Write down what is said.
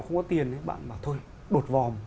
không có tiền ấy bạn bảo thôi đột vòm